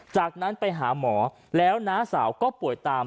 จากนั้นไปหาหมอแล้วน้าสาวก็ป่วยตาม